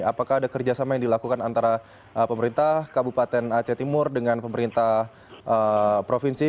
apakah ada kerjasama yang dilakukan antara pemerintah kabupaten aceh timur dengan pemerintah provinsi